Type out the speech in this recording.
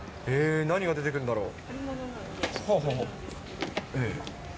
何が出てくるんだろう。